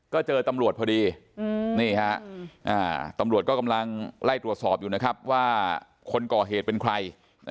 ก็เจอตำรวจพอดีนี่ฮะตำรวจก็กำลังไล่ตรวจสอบอยู่นะครับว่าคนก่อเหตุเป็นใคร